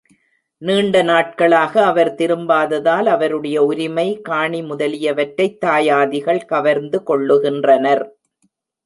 நீண்ட நாட்களாக அவர் திரும்பாததால் அவருடைய உரிமை, காணி முதலியவற்றைத் தாயாதிகள் கவர்ந்து கொள்ளுகின்றனர்.